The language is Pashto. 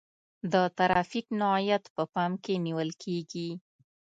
د ترافیک نوعیت په پام کې نیول کیږي